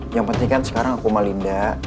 yang penting kan sekarang aku malinda